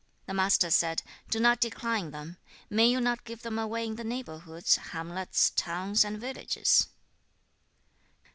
4. The Master said, 'Do not decline them. May you not give them away in the neighborhoods, hamlets, towns, and villages?'